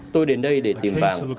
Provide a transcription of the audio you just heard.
tôi đến đây để tìm vàng